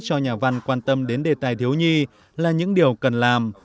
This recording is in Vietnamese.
cho nhà văn quan tâm đến đề tài thiếu nhi là những điều cần làm